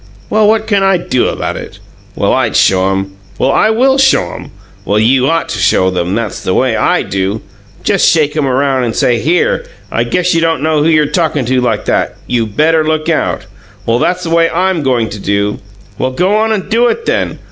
"Well, what can I DO about it?" "Well, I'D show 'em!" "Well, I WILL show 'em!" "Well, you OUGHT to show 'em; that's the way I do! I just shake 'em around, and say, 'Here! I guess you don't know who you're talkin' to like that! You better look out!'" "Well, that's the way I'm goin' to do!" "Well, go on and DO it, then!"